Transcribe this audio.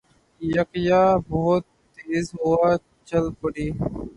یکایک بہت تیز ہوا چل پڑی